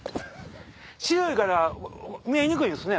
白いから見えにくいですね。